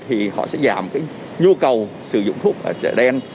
thì họ sẽ giảm cái nhu cầu sử dụng thuốc ở chợ đen